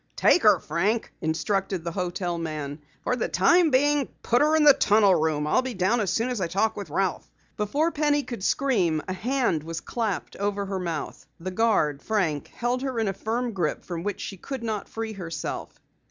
"Take her, Frank," instructed the hotel man. "For the time being put her in the tunnel room. I'll be down as soon as I talk with Ralph." Before Penny could scream, a hand was clapped over her mouth. The guard, Frank, held her in a firm grip from which she could not free herself.